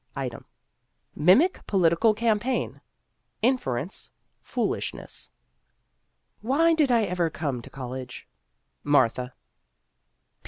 Item : Mimic political campaign. Inference : Foolishness. 248 Vassar Studies Why did I ever come to college ? MARTHA.